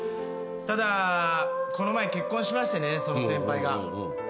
ただこの前結婚しましてねその先輩が。